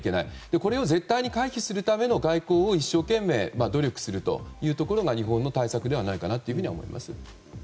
これを絶対に回避するための外交を一生懸命、努力するということが日本の対策ではないかなと思います。